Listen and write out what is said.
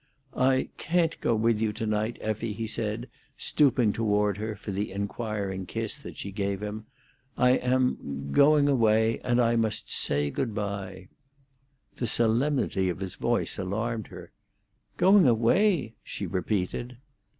"I can't go with you to night, Effie," he said, stooping toward her for the inquiring kiss that she gave him. "I am—going away, and I must say good bye." The solemnity of his voice alarmed her. "Going away!" she repeated.